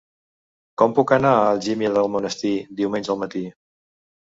Com puc anar a Algímia d'Almonesir diumenge al matí?